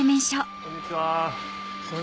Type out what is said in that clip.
こんにちは。